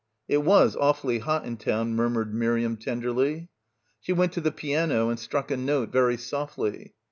"It was awfully hot in town," murmured Mir iam tenderly. She went to the piano and struck a note very softly.